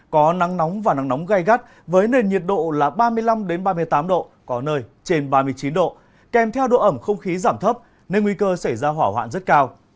có nắng nóng và nắng nóng gai gắt với nền nhiệt độ là ba mươi năm ba mươi tám độ có nơi trên ba mươi chín độ kèm theo độ ẩm không khí giảm thấp nên nguy cơ xảy ra hỏa hoạn rất cao